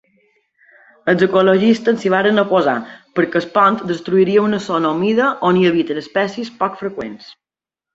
Els ecologistes s'hi van oposar perquè el pont destruiria una zona humida on hi habiten espècies poc freqüents.